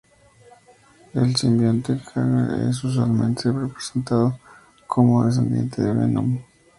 El simbionte Carnage es usualmente representado como un descendiente de Venom.